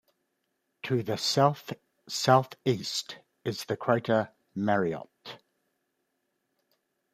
To the south-southeast is the crater Mariotte.